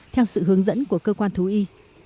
theo sự hướng dẫn của cơ quan thú y